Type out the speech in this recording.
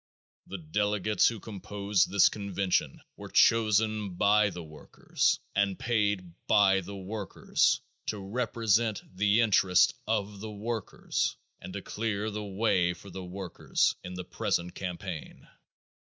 The delegates who composed this convention were chosen by the workers and paid by the workers to represent the interest of the workers and to clear the way for the workers in the present campaign.